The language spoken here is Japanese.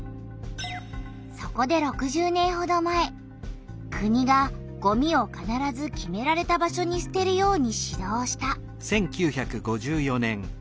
そこで６０年ほど前国がごみをかならず決められた場所にすてるように指導した。